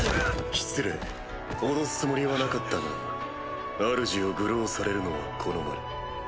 失礼脅すつもりはなかったがあるじを愚弄されるのは好まぬ。